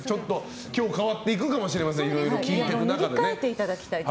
今日変わっていくかもしれません聞いていく中で。